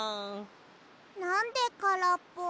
なんでからっぽ？